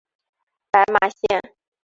白马线